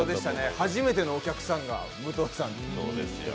初めてのお客さんが武藤さん。